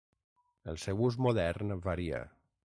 El seu ús modern varia.